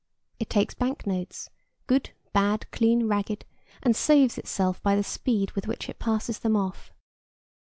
It takes bank notes, good, bad, clean, ragged, and saves itself by the speed with which it passes them off.